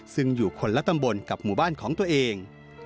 ซึ่งอยู่คนละตำบลกับหมู่บ้านของตัวเอง